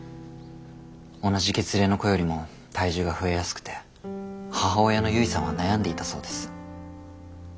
同じ月齢の子よりも体重が増えやすくて母親の唯さんは悩んでいたそうです。